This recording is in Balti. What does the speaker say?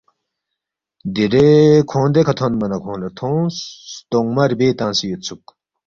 دیرے کھونگ دیکھہ تھونما نہ کھونگ لہ تھونگس، ستونگمہ ربے تنگسے یودسُوک